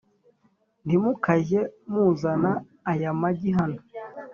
Nti mukajye muzana aya magi hano